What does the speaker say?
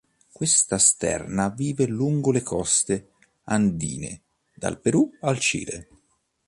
Questa sterna vive lungo le coste andine, dal Perù al Cile.